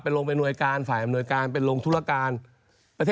๖๗เปอร์เซ็นต์๖๗เปอร์เซ็นต์มันตลกมั้ย